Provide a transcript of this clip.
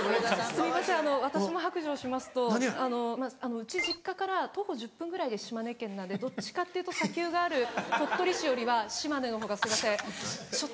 うち実家から徒歩１０分ぐらいで島根県なんでどっちかっていうと砂丘がある鳥取市よりは島根のほうがすいませんちょっと。